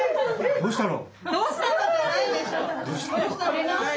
どうしたの？